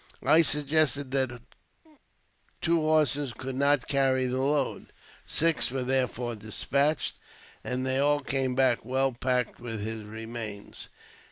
I suggested that two horses could not carry the load ; six were therefore despatched, and they all came back well packed with his remains.